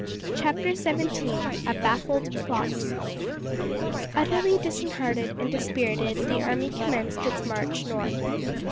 CHAPTER XVII: A Baffled Plot. Utterly disheartened and dispirited the army commenced its march north.